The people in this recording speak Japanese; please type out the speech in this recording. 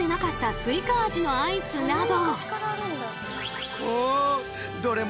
スイカ味のアイスなど！